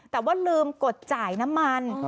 แต่ว่าลืมกดจ่ายน้ำมัน